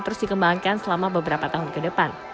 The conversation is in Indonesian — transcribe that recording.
terus dikembangkan selama beberapa tahun ke depan